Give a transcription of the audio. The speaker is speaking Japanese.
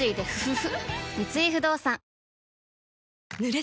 三井不動産女性